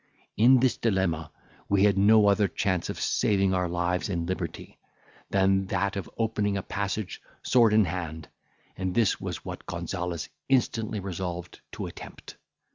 In this dilemma, we had no other chance of saving our lives and liberty, than that of opening a passage sword in hand; and this was what Gonzales instantly resolved to attempt.